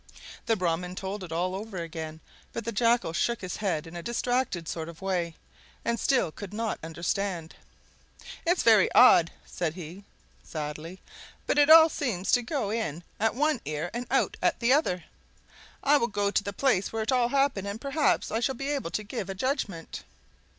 The Brahman told it all over again, but the Jackal shook his head in a distracted sort of way, and still could not understand. "It's very odd," said he, sadly, "but it all seems to go in at one ear and out at the other! I will go to the place where it all happened, and then perhaps I shall be able to give a judgment."